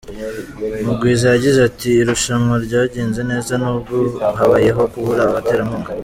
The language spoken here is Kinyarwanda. Mugwiza yagize ati “Irushanwa ryagenze neza, nubwo habayeho kubura abaterankunga.